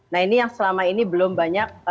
nah ini yang selama ini belum banyak